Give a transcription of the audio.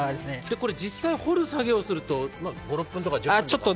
実際掘る作業をすると、５分とか１０分ぐらい。